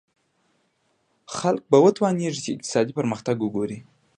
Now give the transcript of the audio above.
خلک به وتوانېږي چې اقتصادي پرمختګ وګوري.